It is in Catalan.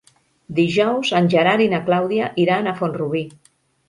Dijous en Gerard i na Clàudia iran a Font-rubí.